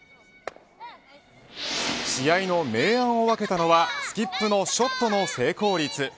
試合の明暗を分けたのはスキップのショットの成功率。